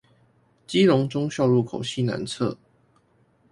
基隆忠孝路口西南側